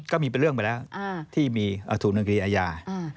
ก็มีเป็นเรื่องไปแล้วที่มีอธูนกลีอาญา